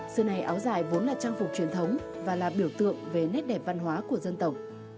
xưa nay áo dài vốn là trang phục truyền thống và là biểu tượng về nét đẹp văn hóa của dân tộc